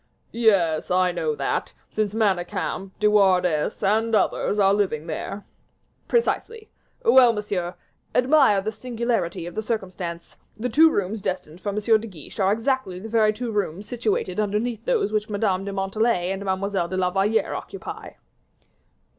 "Yes, I know that, since Manicamp, De Wardes, and others are living there." "Precisely. Well, monsieur, admire the singularity of the circumstance; the two rooms destined for M. de Guiche are exactly the very two rooms situated underneath those which Mademoiselle de Montalais and Mademoiselle de la Valliere occupy."